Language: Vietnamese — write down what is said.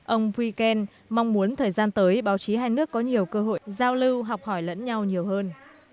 ông pui ken mong muốn thời gian tới báo chí hai nước có nhiều cơ hội giao lưu học hỏi lẫn nhau nhiều hơn